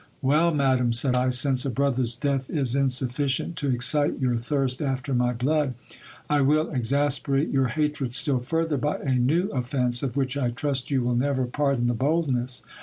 Well, madam, said I, since a brother's death is insufficient to excite your thirst after my blood, I will exasperate your hatred still further by a new offence, of which I trust you will never pardon the boldness.